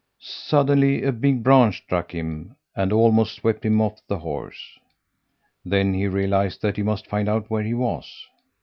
"Suddenly a big branch struck him and almost swept him off the horse. Then he realized that he must find out where he was.